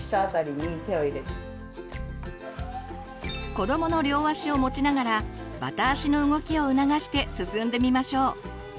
子どもの両足を持ちながらバタ足の動きを促して進んでみましょう。